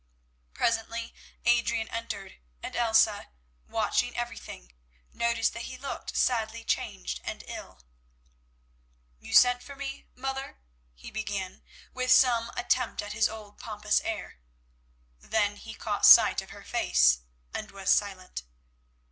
Presently Adrian entered, and Elsa, watching everything, noticed that he looked sadly changed and ill. "You sent for me, mother," he began, with some attempt at his old pompous air. Then he caught sight of her face and was silent.